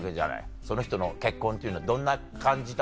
その人の結婚っていうのはどんな感じた？